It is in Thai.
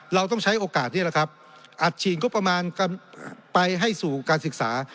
เราต้องใช้โอกาสนี้แหละครับอัดฉีดงบประมาณไปให้สู่การศึกษา